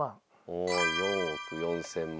おおっ４億４０００万。